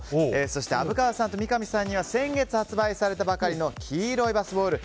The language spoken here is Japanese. そして虻川さんと三上さんには先月発売されたばかりの黄色いバスボール。